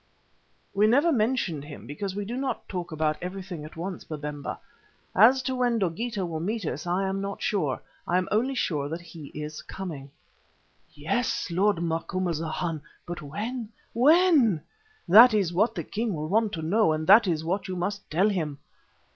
"We never mentioned him because we do not talk about everything at once, Babemba. As to when Dogeetah will meet us I am not sure; I am only sure that he is coming." "Yes, lord Macumazana, but when, when? That is what the king will want to know and that is what you must tell him.